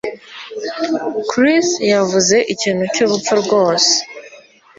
Chris yavuze ikintu cyubupfu rwose